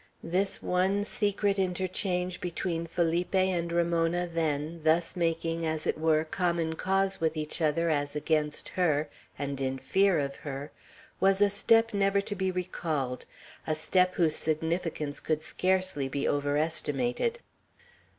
This one secret interchange between Felipe and Ramona then, thus making, as it were, common cause with each other as against her, and in fear of her, was a step never to be recalled, a step whose significance could scarcely be overestimated.